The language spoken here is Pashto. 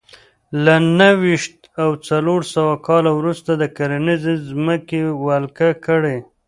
له نهه ویشت او څلور سوه کال وروسته د کرنیزې ځمکې ولکه کړې